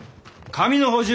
紙の補充！